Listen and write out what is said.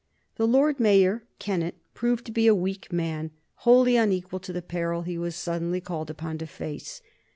The Lord Mayor, Kennett, proved to be a weak man wholly unequal to the peril he was suddenly called upon to face.